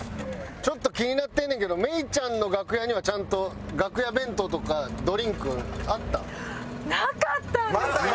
ちょっと気になってんねんけど芽郁ちゃんの楽屋にはちゃんと楽屋弁当とかドリンクあった？なかったんです！